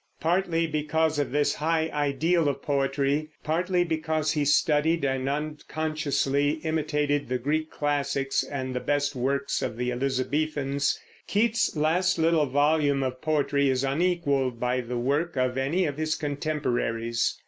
Partly because of this high ideal of poetry, partly because he studied and unconsciously imitated the Greek classics and the best works of the Elizabethans, Keats's last little volume of poetry is unequaled by the work of any of his contemporaries.